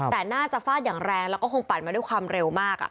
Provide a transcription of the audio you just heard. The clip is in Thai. แต่น่าจะฟาดอย่างแรงแล้วก็คงปั่นมาด้วยความเร็วมาก